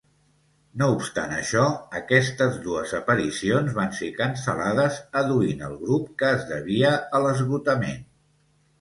No obstant això, aquestes dues aparicions van ser cancel·lades, adduint el grup que es devia a l'esgotament.